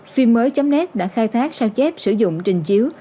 phim mới net đã khai thác sao chép sử dụng trình chiếu